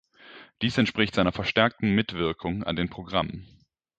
Dies entspricht seiner verstärkten Mitwirkung an den Programmen.